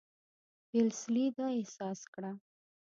ویلسلي دا احساس کړه.